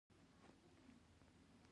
حکومت باید اسانتیاوې برابرې کړي.